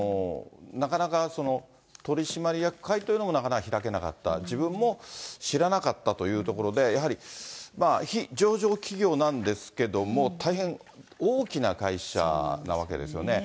なかなか、取締役会というのもなかなか開けなかった、自分も知らなかったというところで、やはり非上場企業なんですけれども、大変大きな会社なわけですよね。